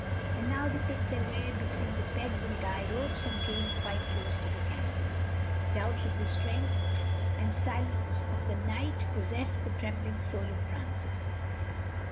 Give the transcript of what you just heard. And now they picked their way between the pegs and guy ropes and came quite close to the canvas. Doubts of the strength and silence of the knife possessed the trembling soul of Francis.